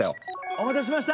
お待たせしました！